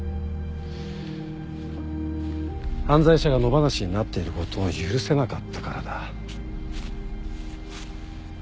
犯罪者が野放しになっていることを許せなかったからだ。